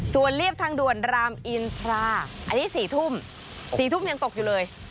ส่วนเรียบทางด่วนรามอินทราอันนี้๔ทุ่ม๔ทุ่มยังตกอยู่เลย